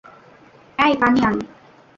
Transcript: এই পানি আন।